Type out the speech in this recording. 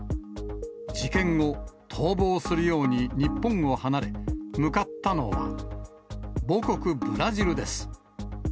事件後、逃亡するように日本を離れ、向かったのは母国、ブラジルです。